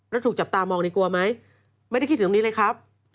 แล้วถูกจับตามองในกลัวไหมไม่ได้คิดถึงตรงนี้เลยครับ